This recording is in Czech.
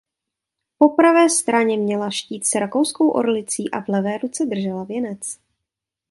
Po pravé straně měla štít s rakouskou orlicí a v levé ruce držela věnec.